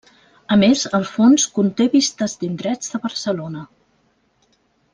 A més el fons conté vistes d'indrets de Barcelona.